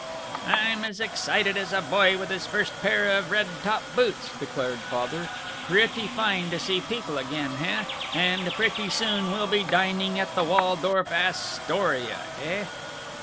"I'm as excited as a boy with his first pair of red top boots," declared Father. "Pretty fine to see people again, heh? And pretty soon we'll be dining at the Wal dorf As torya, heh?"